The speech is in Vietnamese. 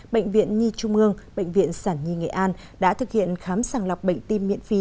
bệnh viện nhi trung ương bệnh viện sản nhi nghệ an đã thực hiện khám sàng lọc bệnh tim miễn phí